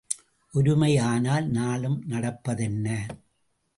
ஒருமை ஆனால் நாளும் நடப்பதென்ன?